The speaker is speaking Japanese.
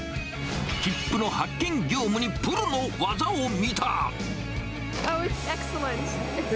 切符の発券業務にプロの技を見た。